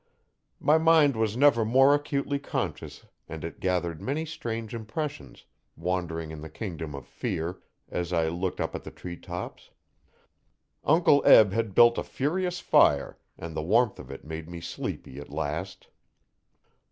My mind was never more acutely conscious and it gathered many strange impressions, wandering in the kingdom of Fear, as I looked up at the tree tops. Uncle Eb had built a furious fire and the warmth of it made me sleepy at last.